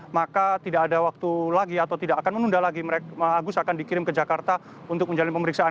maka tidak ada waktu lagi atau tidak akan menunda lagi agus akan dikirim ke jakarta untuk menjalani pemeriksaan